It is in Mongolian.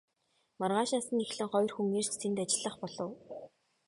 Маргаашаас нь эхлэн хоёр хүн ирж тэнд ажиллах болов.